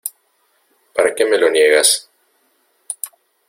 ¿ para qué me lo niegas?